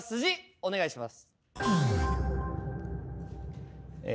お願いします。